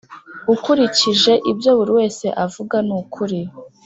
ukurikije ibyo buri wese avuga, ni ukuri.